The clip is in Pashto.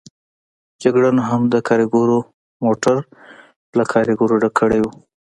جګړن هم د کاریګرو موټر له کاریګرو ډک کړی و.